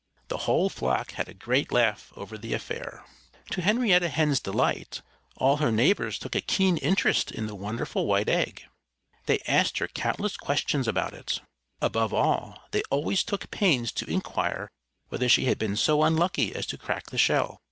The whole flock had a great laugh over the affair. To Henrietta Hen's delight, all her neighbors took a keen interest in the wonderful white egg. They asked her countless questions about it. Above all, they always took pains to inquire whether she had been so unlucky as to crack the shell.